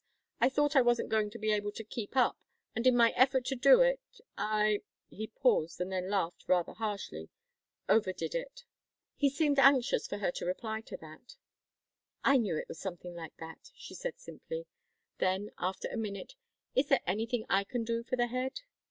I thought I wasn't going to be able to keep up, and in my efforts to do it, I" he paused and then laughed rather harshly "overdid it." He seemed anxious for her reply to that. "I knew it was something like that," she said simply. Then, after a minute: "Is there anything I can do for the head?"